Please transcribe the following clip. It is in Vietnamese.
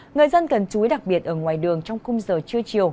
người dân cần chú ý đặc biệt ở ngoài đường trong khung giờ trưa chiều